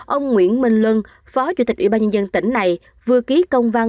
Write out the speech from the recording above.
ông nguyễn minh luân phó chủ tịch ủy ban nhân dân tỉnh này vừa ký công văn